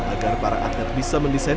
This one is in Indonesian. agar para atlet bisa mendesain